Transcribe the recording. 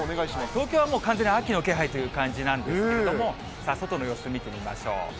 東京はもう、完全に秋の気配という感じなんですけれども、外の様子見てみましょう。